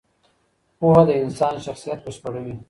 پوهه د انسان شخصیت بشپړوي.